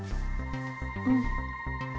うん。